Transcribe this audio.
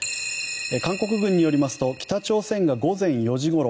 韓国軍によりますと北朝鮮が午前４時ごろ